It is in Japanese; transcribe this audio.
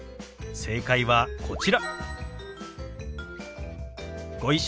正解はこちら。